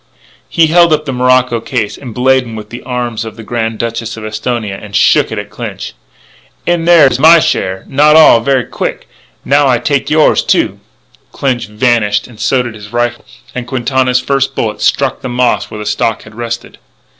He held up the morocco case, emblazoned with the arms of the Grand Duchess of Esthonia, and shook it at Clinch. "In there is my share.... Not all. Ver' quick, now, I take yours, too " Clinch vanished and so did his rifle; and Quintana's first bullet struck the moss where the stock had rested.